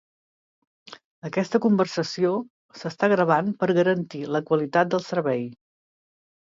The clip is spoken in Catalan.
Aquesta conversació s"està gravant per garantir la qualitat del servei.